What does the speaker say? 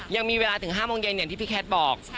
ยังมีเวลาถึง๕โมงเย็นอย่างที่พี่แคทบอก